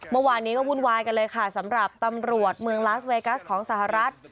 เมื่อวานนี้ก็วุ่นวายกันเลยค่ะสำหรับตำรวจเมืองลาสเวกัสของสหรัฐ